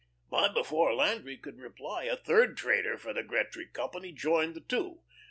But before Landry could reply a third trader for the Gretry Company joined the two.